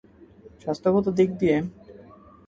স্বাস্থ্যগত দিক দিয়ে?